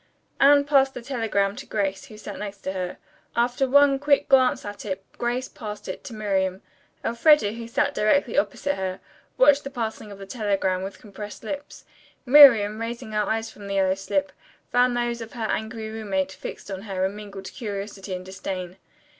Anne passed the telegram to Grace, who sat next to her. After one quick glance at it Grace passed it to Miriam. Elfreda, who sat directly opposite her, watched the passing of the telegram with compressed lips. Miriam, raising her eyes from the yellow slip, found those of her angry roommate fixed on her in mingled curiosity and disdain.